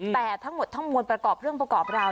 แต่ทั้งหมดทั้งมวลประกอบเรื่องประกอบราว